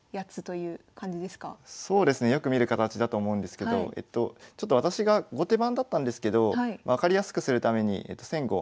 そうですねよく見る形だと思うんですけどちょっと私が後手番だったんですけど分かりやすくするために先後を反転させています。